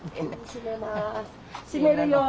閉めるよ。